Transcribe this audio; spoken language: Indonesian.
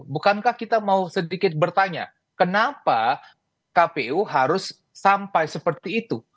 bukankah kita mau sedikit bertanya kenapa kpu harus sampai seperti itu